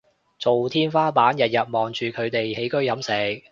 做天花板日日望住佢哋起居飲食